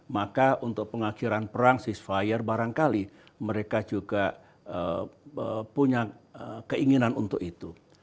maka untuk pengakhiran perang sis fire barangkali mereka juga punya keinginan untuk itu